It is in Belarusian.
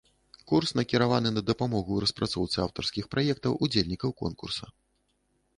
Курс накіраваны на дапамогу ў распрацоўцы аўтарскіх праектаў удзельнікаў курса.